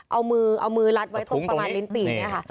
เอามือรัดไว้ตรงประมาณรินตรีแน่คะ